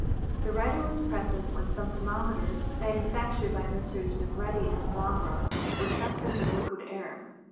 The writer was present when some thermometers, manufactured by Messrs. Negretti and Zambra, were tested with liquid air.